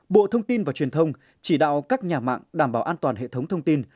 bộ thông tin và truyền thông chỉ đạo các nhà mạng đảm bảo an toàn hệ thống thông tin